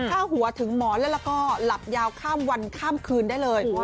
ฆ่าหัวถึงหมอนแล้วก็หลับยาวข้ามวันข้ามคืนได้เลย